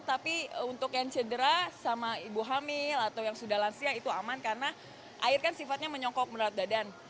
tapi untuk yang cedera sama ibu hamil atau yang sudah lansia itu aman karena air kan sifatnya menyongkok menurut dadan